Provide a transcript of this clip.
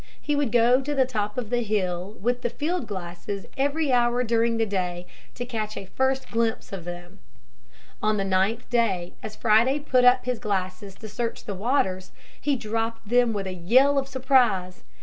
He would go to the top of the hill with the field glasses every hour during the day to catch a first glimpse of them. [Illustration: ROBINSON AND FRIDAY SEE A SHIP] On the ninth day, as Friday put up his glasses to search the waters he dropped them with a yell of surprise.